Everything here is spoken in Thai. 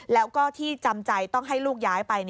แล้วก็ที่จำใจต้องให้ลูกย้ายไป